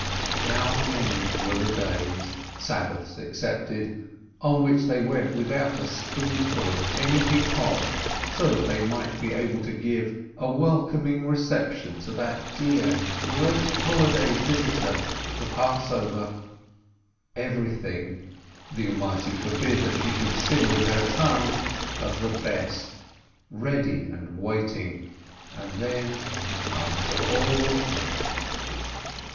How 214 LERNER many were the days, Sabbaths excepted, on which they went without a spoonful of anything hot, so that they might be able to give a becoming reception to that dear, great, and holy visitor, the Passover? Everything (the Almighty forbid that she should sin with her tongue!) of the best, ready and waiting, and then, after all.